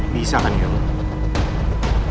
bisa kan yul